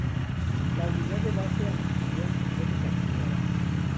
La unidad de base anfitrión fue desactivada.